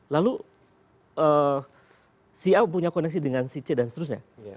lalu si a punya koneksi dengan si c dan seterusnya